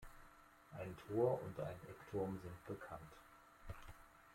Ein Tor und ein Eckturm sind bekannt.